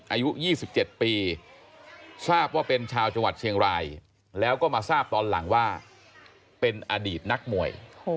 อายุ๒๗ปีทราบว่าเป็นชาวจังหวัดเชียงรายแล้วก็มาทราบตอนหลังว่าเป็นอดีตนักมวย